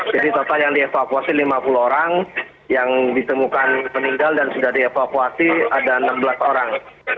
jadi total yang dievakuasi lima puluh orang yang ditemukan peninggal dan sudah dievakuasi ada enam belas orang